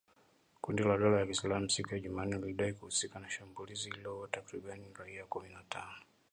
Kundi la dola ya kiislamu siku ya Jumanne, lilidai kuhusika na shambulizi lililoua takribani raia kumi na tano